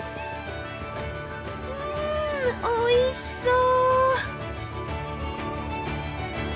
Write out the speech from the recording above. うんおいしそう！